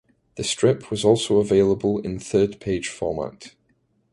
The strip was also available in third page format.